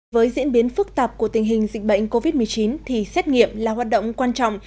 với diễn biến phức tạp của tình hình dịch bệnh covid một mươi chín thì xét nghiệm là hoạt động quan trọng